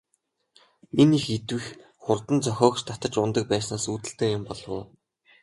Энэ их идэвх хурд нь зохиогч татаж унадаг байснаас үүдэлтэй юм болов уу?